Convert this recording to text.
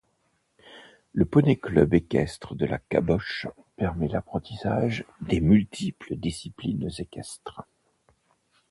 Le poney club centre équestre de la Caboche permet l'apprentissage des multiples disciplines équestres.